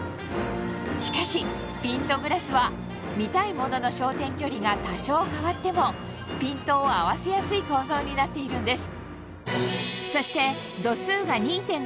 しかしピントグラスは見たいものの焦点距離が多少変わってもピントを合わせやすい構造になっているんです